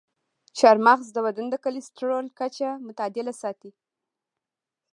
چارمغز د بدن د کلسترول کچه متعادله ساتي.